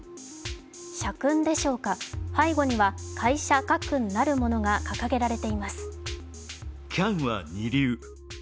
社訓でしょうか、背後には会社家訓なるものが掲げられています。